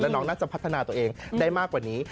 น้องน่าจะพัฒนาตัวเองได้มากกว่านี้